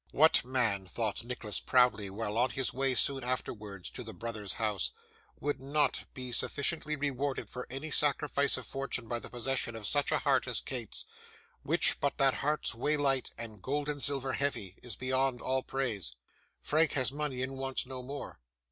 'What man,' thought Nicholas proudly, while on his way, soon afterwards, to the brothers' house, 'would not be sufficiently rewarded for any sacrifice of fortune by the possession of such a heart as Kate's, which, but that hearts weigh light, and gold and silver heavy, is beyond all praise? Frank has money, and wants no more.